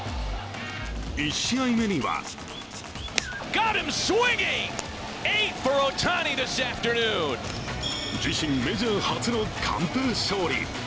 １試合目には自身メジャー初の完封勝利。